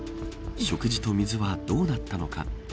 食事と水はどうなったのか。